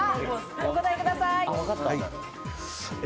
お答えください。